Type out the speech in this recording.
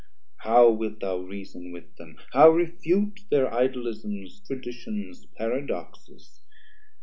How wilt thou reason with them, how refute Thir Idolisms, Traditions, Paradoxes?